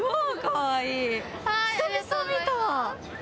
久々見た。